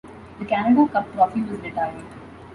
The Canada Cup trophy was retired.